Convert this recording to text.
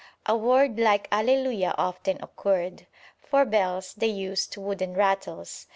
A word like Alleluia often occurred. For bells they used wooden rattles.